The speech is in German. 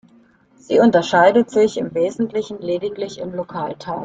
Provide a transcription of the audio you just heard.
Sie unterscheidet sich im Wesentlichen lediglich im Lokalteil.